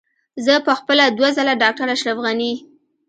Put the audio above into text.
زه په خپله دوه ځله ډاکټر اشرف غني.